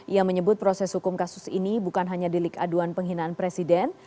ia menyebut proses hukum kasus ini bukan hanya delik aduan penghinaan presiden